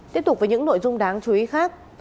tiếp tục với những nội dung đáng chú ý khác